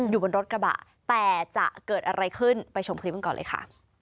อยู่บนรถกระบะแต่จะเกิดอะไรขึ้นไปชมคลิปกันก่อนเลยค่ะ